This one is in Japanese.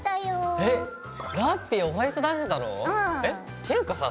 っていうかさ